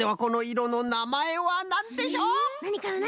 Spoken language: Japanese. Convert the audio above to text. なにかな？